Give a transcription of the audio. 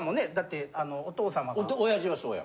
親父がそうや。